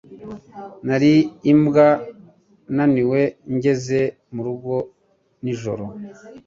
Nari imbwa naniwe ngeze murugo nijoro